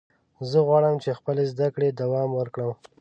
زه غواړم چې خپلې زده کړې دوام ورکړم.